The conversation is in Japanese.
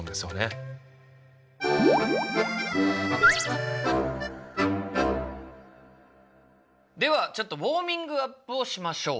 なのでではちょっとウォーミングアップをしましょう！